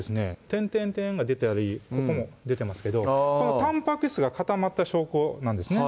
点点点が出たりここも出てますけどあたんぱく質が固まった証拠なんですね